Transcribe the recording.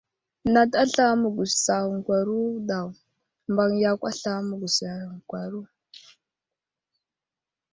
Nat aslam məgwəsaŋkwaro daw, mbaŋ yakw aslam məgwəsaŋkwaro.